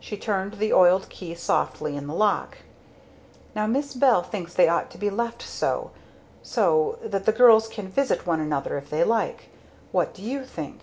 She turned the oiled key softly in the lock. "Now Miss Bell thinks they ought to be left so so that the girls can visit one another if they like what do you think?"